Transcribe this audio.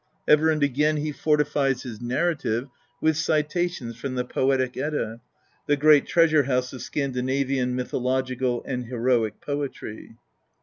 Ever and again he fortifies his narrative with citations from the Poetic Edda^ the great treasure house of Scandinavian mythological and heroic poetry.